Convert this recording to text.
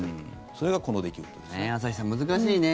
それがこの出来事ですね。